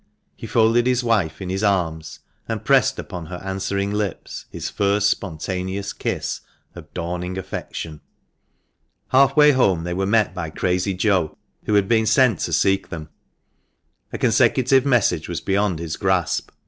He folded his wife in his arms, and pressed upon her answering lips his first spon taneous kiss of dawning affection. Half way home they were met by Crazy Joe, who had been sent to seek them. A consecutive message was beyond his grasp.